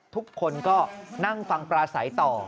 ทุกคนก็นั่งฟังปราศัยต่อ